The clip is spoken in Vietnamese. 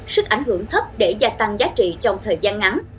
sức ảnh hưởng thấp để gia tăng giá trị trong thời gian ngắn